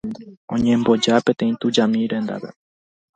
Oñemboja peteĩ tujami rendápe.